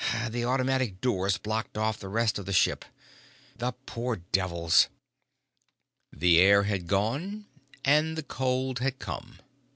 The automatic doors blocked off the rest of the ship. The poor devils " The air had gone and the cold had come.